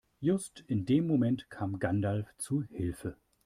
Just in dem Moment kam Gandalf zu Hilfe.